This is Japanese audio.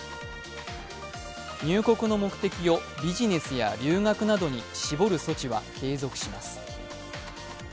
入国の目的をビジネスや留学などに絞る措置は継続します。